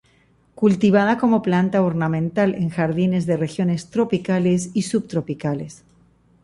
Cultivada como planta ornamental en jardines de regiones tropicales y subtropicales.